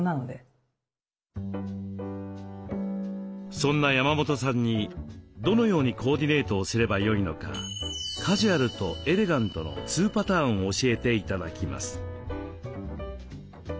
そんな山本さんにどのようにコーディネートをすればよいのかカジュアルとエレガントの２パターン教えて頂きます。